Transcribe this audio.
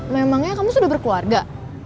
memangnya kamu sudah berkeluarga